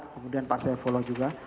kemudian pas saya follow juga